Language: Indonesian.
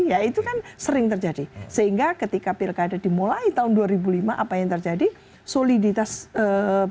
ya itu kan sering terjadi sehingga ketika pilkada dimulai tahun dua ribu lima apa yang terjadi soliditas politik